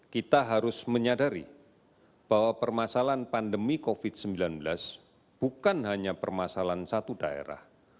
kita harus menyadari bahwa permasalahan pandemi covid sembilan belas bukan hanya permasalahan satu daerah